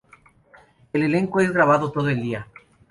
El elenco es grabado todo el día.